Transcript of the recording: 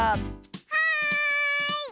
はい！